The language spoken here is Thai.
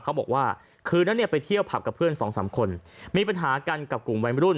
เขาบอกว่าคืนนั้นเนี่ยไปเที่ยวผับกับเพื่อนสองสามคนมีปัญหากันกับกลุ่มวัยรุ่น